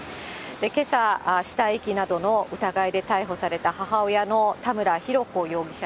けさ、死体遺棄などの疑いで逮捕された母親の田村浩子容疑者